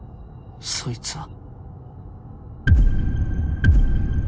そいつは